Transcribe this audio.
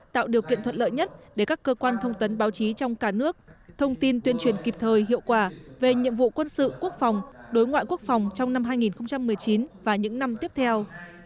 tạo điều kiện thuận lợi nhất để các cơ quan thông tấn báo chí trong cả nước thông tin tuyên truyền kịp thời hiệu quả về nhiệm vụ quân sự quốc phòng đối ngoại quốc phòng trong năm hai nghìn một mươi chín và những năm tiếp theo